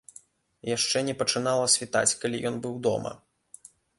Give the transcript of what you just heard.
Яшчэ не пачынала світаць, калі ён быў дома.